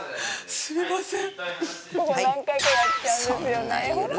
「すいません！」